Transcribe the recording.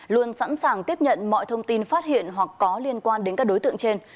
luôn sẵn sàng tiếp nhận mọi thông tin phát hiện hoặc có liên quan đến các đối tượng trên